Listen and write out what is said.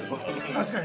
◆確かに。